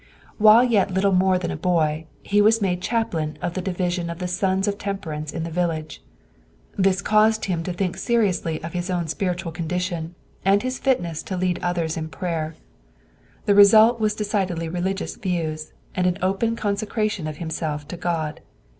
While yet little more than a boy, he was made chaplain of the division of the Sons of Temperance in the village. This caused him to think seriously of his own spiritual condition, and his fitness to lead others in prayer. The result was decidedly religious views, and an open consecration of himself to God.